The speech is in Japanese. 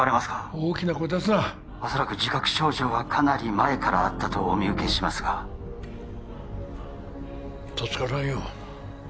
大きな声出すな恐らく自覚症状はかなり前からあったとお見受けしますが助からんよ